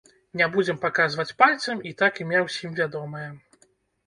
Не будзем паказваць пальцам, і так імя ўсім вядомае.